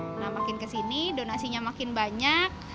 jadi kita sudah membeli banyak